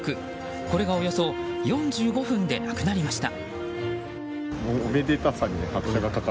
これがおよそ４５分でなくなりました。